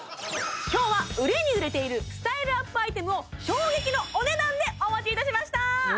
今日は売れに売れているスタイルアップアイテムを衝撃のお値段でお持ちいたしました